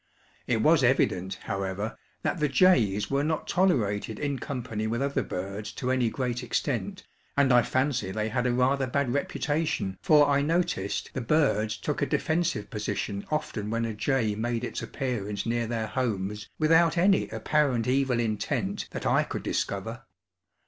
It was evident, however, that the jays were not tolerated in company with other birds to any great extent, and I fancy they had a rather bad reputation, for I noticed the birds took a defensive position often when a jay made its appearance near their homes without any apparent evil intent, that I could discover.